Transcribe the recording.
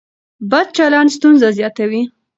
بد چلن ستونزه زیاتوي.